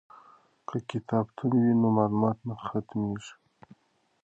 که کتابتون وي نو معلومات نه ختمیږي.